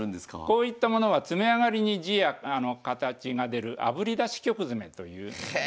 こういったものは詰めあがりに字や形が出るあぶり出し曲詰というへえ！